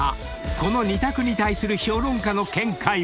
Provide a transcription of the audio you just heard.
［この２択に対する評論家の見解は］